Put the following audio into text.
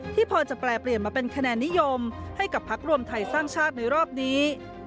พอจะแปลเปลี่ยนมาเป็นคะแนนนิยมให้กับพักรวมไทยสร้างชาติในรอบนี้